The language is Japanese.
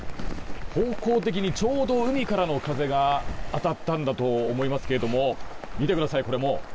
方向的にちょうど海からの風が当たったんだと思いますが見てください